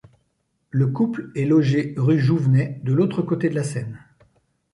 Le couple est logé rue Jouvenet, de l'autre côté de la Seine.